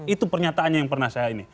itu pernyataannya yang pernah saya ini